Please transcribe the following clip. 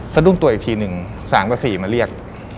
สะดุ้งตัวอีกทีหนึ่ง๓กับ๔มาเรียก